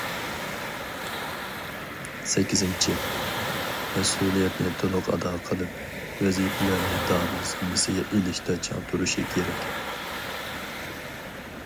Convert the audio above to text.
سەككىزىنچى، مەسئۇلىيەتنى تولۇق ئادا قىلىپ، ۋەزىپىلەرنى دادىل زىممىسىگە ئېلىشتا چىڭ تۇرۇشى كېرەك.